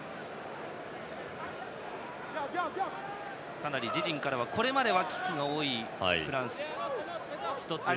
かなり自陣からはこれまではキックが多いフランス。